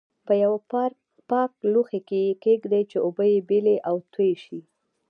په یوه پاک لوښي کې یې کېږدئ چې اوبه یې بېلې او توی شي.